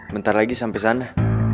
bentar lagi sampe sana